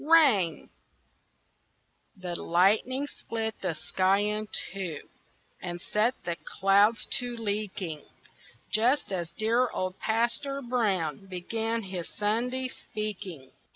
RAIN The lightning split the sky in two And set the clouds to leaking Just as dear old Pastor Brown Began his Sunday speaking.